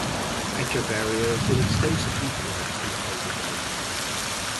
"Echeveria" has been extensively bred and hybridised.